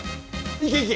行け行け！